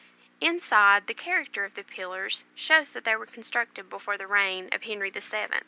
Inside, the character of the pillars shows that they were constructed before the reign of Henry VII.